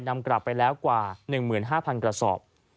นำกลับไปแล้วกว่า๑๕๐๐๐กระสอบ